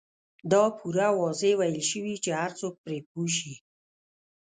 دا پوره واضح ويل شوي چې هر څوک پرې پوه شي.